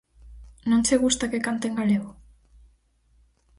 Non che gusta que cante en galego?